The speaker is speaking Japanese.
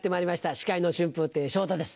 司会の春風亭昇太です